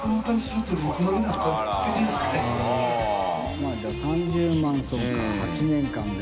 泙じゃあ３０万そうか８年間で。